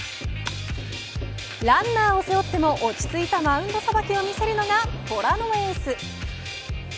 ランナーを背負っても落ち着いたマウンドさばきを見せるのが虎のエース。